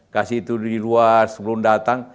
kasih itu di luar sebelum datang